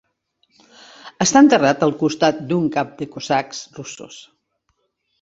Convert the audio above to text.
Està enterrat al costat d'un cap de cosacs russos.